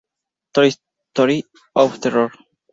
Toy Story of Terror!